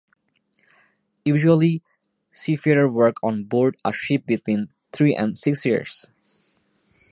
Usually, seafarers work on board a ship between three and six years.